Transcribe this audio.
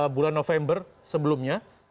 bulan november sebelumnya